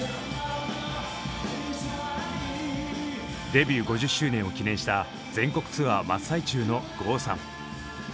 デビュー５０周年を記念した全国ツアー真っ最中の郷さん。